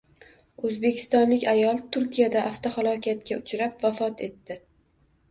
O`zbekistonlik ayol Turkiyada avtohalokatga uchrab, vafot etdi